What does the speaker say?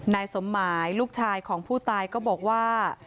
นายสมหมายลูกชายของผู้ตายก็บอกว่า